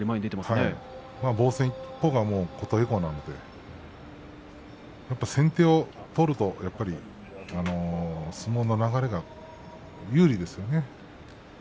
防戦一方が琴恵光なので先手を取ると相撲の流れが有利ですよね。